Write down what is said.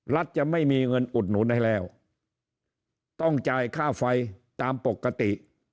จะไม่มีเงินอุดหนุนให้แล้วต้องจ่ายค่าไฟตามปกติ